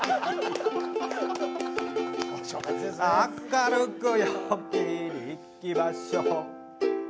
明るく、陽気に、いきましょう。